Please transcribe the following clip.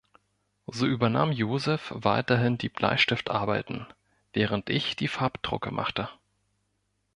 So übernahm Joseph weiterhin die Bleistiftarbeiten, während ich die Farbdrucke machte.